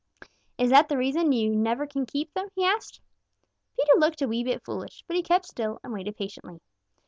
"Is that the reason you never can keep them?" he asked. Peter looked a wee bit foolish, but he kept still and waited patiently.